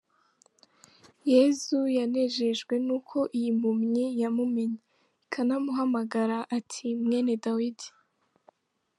Yesu yanejejwe n’uko iyi mpumyi yamumenye, ikanamuhamagara ati "Mwene Dawidi".